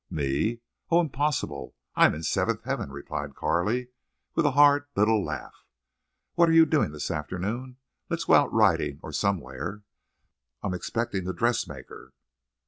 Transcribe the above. "Me? Oh, impossible! I'm in a seventh heaven," replied Carley, with a hard little laugh. "What 're you doing this afternoon? Let's go out—riding—or somewhere." "I'm expecting the dressmaker."